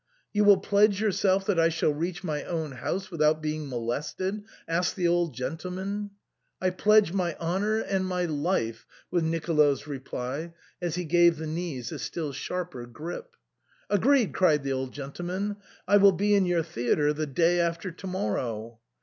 "You will pledge yourself that I shall reach my own house without being molested ?" asked the old gentleman. " I pledge my honour and my life," was Nicolo's reply, as he gave the knees a still sharper grip. " Agreed !" cried the old gentleman ;" I will be in your theatre the day after to morrow."